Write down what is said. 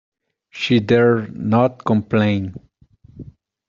She dared not complain.